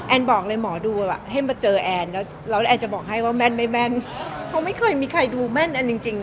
แอนด์บอกเลยหมอดูแบบให้มาเจอแอนด์แล้วแอนด์จะบอกให้ว่าแม่นไม่แม่นเพราะไม่เคยมีใครดูแม่นแอนด์จริง